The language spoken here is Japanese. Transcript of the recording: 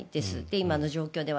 今の状況では。